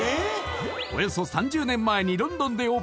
およそ３０年前にロンドンでオープンした